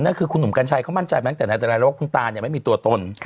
นั่นคือคุณหนุ่มกัญชัยเขามั่นใจมาตั้งแต่ในฐานะที่รู้ว่าคุณตานไม่มีตัวตน